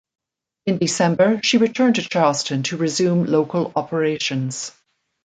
In December, she returned to Charleston to resume local operations.